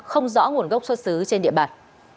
không rõ nguồn gốc xuất xứ trên địa bàn